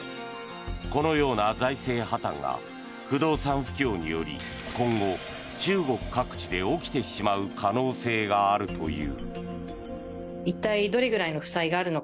このような財政破たんが不動産不況により今後、中国各地で起きてしまう可能性があるという。